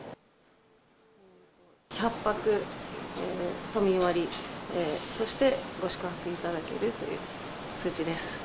１００泊、都民割としてご宿泊いただけるという通知です。